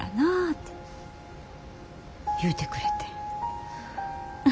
て言うてくれてん。